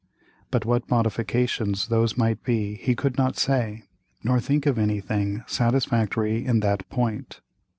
But what Modifications those might be he could not say, nor think of any thing satisfactory in that Point.